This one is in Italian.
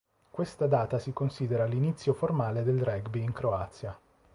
Questa data si considera l'inizio formale del rugby in Croazia.